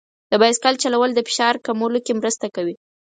د بایسکل چلول د فشار کمولو کې مرسته کوي.